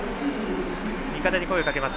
味方に声をかけます